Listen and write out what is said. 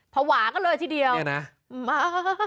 ภาวะกันเลยทีเดียวเนี่ยนะมา